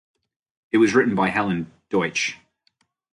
It was written by Helen Deutsch.